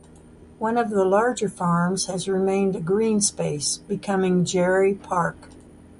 One of the larger farms has remained a green space, becoming Jarry Park.